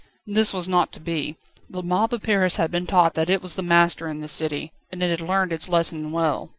This was not to be. The mob of Paris had been taught that it was the master in the city, and it had learned its lesson well.